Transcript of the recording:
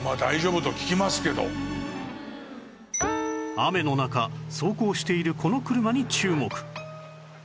雨の中走行しているこの車に注目